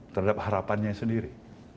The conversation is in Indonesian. terhadap harapannya sendiri